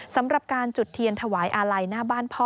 สำหรับการจุดเทียนถวายอาลัยหน้าบ้านพ่อ